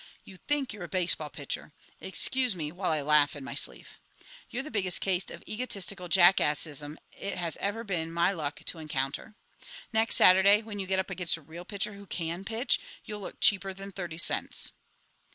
You think you're a baseball pitcher. Excuse me while I laugh in my sleeve. You're the biggest case of egotistical jackassism it has ever been my luck to encounter. Next Saturday, when you get up against a real pitcher who can pitch, you'll look cheaper than thirty cents."